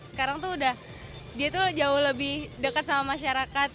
sekarang tuh udah dia tuh jauh lebih dekat sama masyarakat